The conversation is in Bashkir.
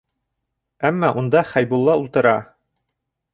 Әммә унда Хәйбулла ултыра.